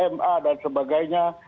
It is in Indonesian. ma dan sebagainya